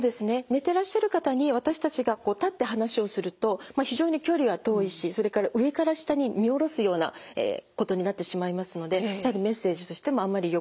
寝てらっしゃる方に私たちがこう立って話をすると非常に距離が遠いしそれから上から下に見下ろすようなことになってしまいますのでやはりメッセージとしてもあんまりよくない。